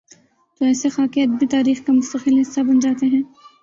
توایسے خاکے ادبی تاریخ کا مستقل حصہ بن جا تے ہیں۔